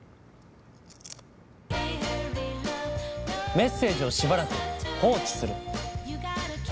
メッセージをしばらく放置する。